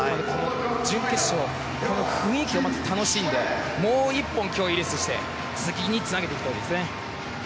準決勝の雰囲気を楽しんでもう１本、今日いいレースして次につなげてほしいですね。